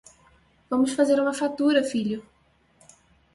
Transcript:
Vamos fazer uma fatura, filho!